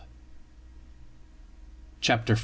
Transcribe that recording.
CHAPTER V.